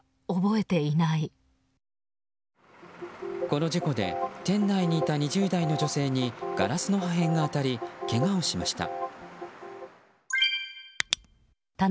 この事故で店内にいた２０代の女性にガラスの破片が当たりけがをしました。